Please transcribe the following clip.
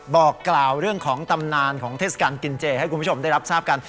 บอกกล่าวเรื่องของตำนานของเทศกาลกินเจให้คุณผู้ชมได้รับทราบกัน